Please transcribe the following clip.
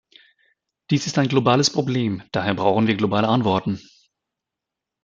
Dies ist ein globales Problem, daher brauchen wir globale Antworten.